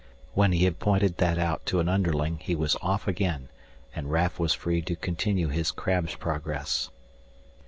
When he had pointed that out to an underling he was off again, and Raf was free to continue his crab's progress.